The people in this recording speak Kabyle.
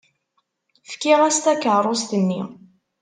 Fkiɣ-as takeṛṛust-nni.